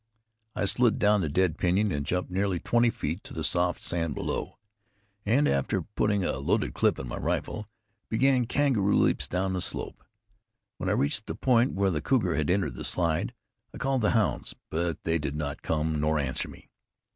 I slid down the dead pinyon and jumped nearly twenty feet to the soft sand below, and after putting a loaded clip in my rifle, began kangaroo leaps down the slope. When I reached the point where the cougar had entered the slide, I called the hounds, but they did not come nor answer me.